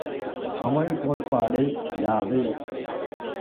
அவள் கோட்பாடு யாது?